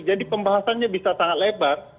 jadi pembahasannya bisa sangat lebar